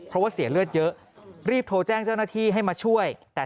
เพราะว่าเสียเลือดเยอะรีบโทรแจ้งเจ้าหน้าที่ให้มาช่วยแต่